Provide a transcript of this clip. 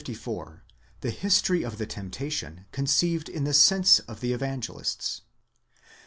THE HISTORY OF THE TEMPTATION CONCEIVED IN THE SENSE OF THE EVANGELISTS.